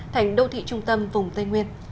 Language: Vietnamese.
thành đô thị trung tâm vùng tây nguyên